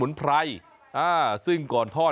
มีอย่างไรบ้างครับ